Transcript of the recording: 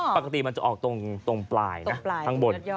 ปกติมันจะออกตรงปลายนะข้างบน